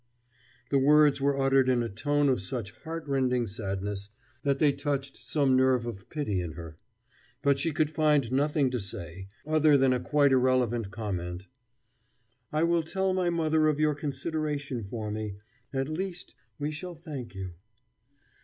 The words were uttered in a tone of such heart rending sadness that they touched some nerve of pity in her. But she could find nothing to say, other than a quite irrelevant comment. "I will tell my mother of your consideration for me. At least, we shall thank you."